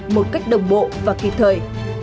một cách đồng bộ và kịp thời